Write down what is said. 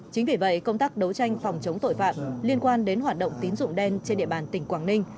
chính vì vậy công tác đấu tranh phòng chống tội phạm liên quan đến hoạt động tín dụng đen trên địa bàn tỉnh quảng ninh